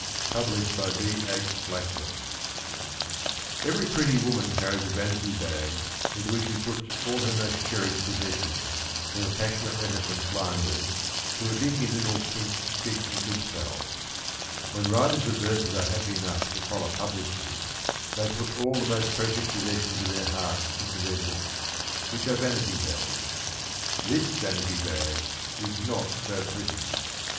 Published by B. H. Blackwell. Every pretty woman carries a vanity bag into which she puts all her most cherished possessions, from a passionate letter from Flanders to a dinky little pink stick of lip salve. When writers of verses are happy enough to collar publishers they put all the most precious possessions of their hearts into their books — which are vanity bags. ... [This] vanity bag [is] not so pretty.